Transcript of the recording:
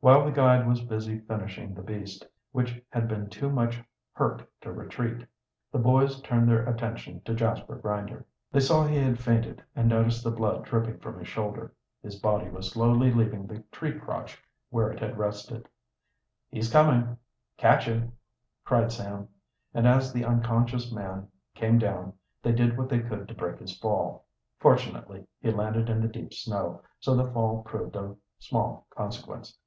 While the guide was busy finishing the beast which had been too much hurt to retreat, the boys turned their attention to Jasper Grinder. They saw he had fainted, and noticed the blood dripping from his shoulder. His body was slowly leaving the tree crotch where it had rested. "He's coming! Catch him!" cried Sam, and as the unconscious man came down they did what they could to break his fall. Fortunately he landed in the deep snow, so the fall proved of small consequence.